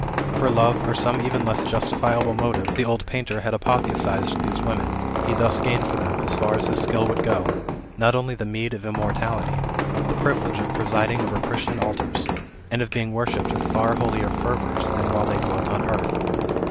For love, or some even less justifiable motive, the old painter had apotheosized these women; he thus gained for them, as far as his skill would go, not only the meed of immortality, but the privilege of presiding over Christian altars, and of being worshipped with far holier fervors than while they dwelt on earth.